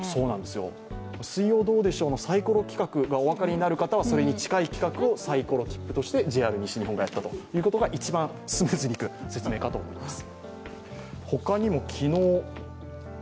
「水曜どうでしょう」のサイコロ企画がお分かりになる方はそれに近い企画をサイコロ切符をＲ西日本がやったという説明が一番スムーズにいく説明かと思います。